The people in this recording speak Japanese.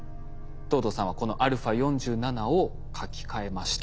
藤堂さんはこのα４７を書き換えました。